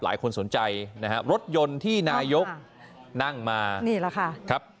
หลายคนสนใจนะครับรถยนต์ที่นายยกนั่งมา